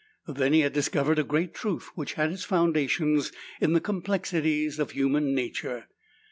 Then he had discovered a great truth which had its foundations in the complexities of human nature.